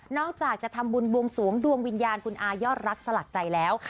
อกจากจะทำบุญบวงสวงดวงวิญญาณคุณอายอดรักสลักใจแล้ว